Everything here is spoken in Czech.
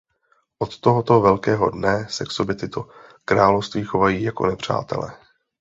Od tohoto velkého dne se k sobě tyto království chovají jako nepřátelé.